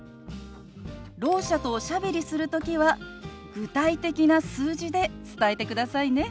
ろう者とおしゃべりする時は具体的な数字で伝えてくださいね。